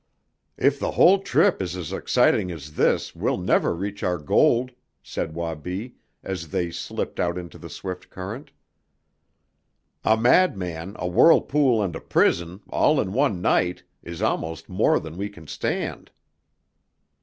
"If the whole trip is as exciting as this we'll never reach our gold," said Wabi, as they slipped out into the swift current. "A madman, a whirlpool and a prison, all in one night, is almost more than we can stand."